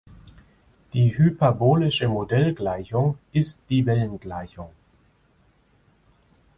Die hyperbolische Modellgleichung ist die Wellengleichung.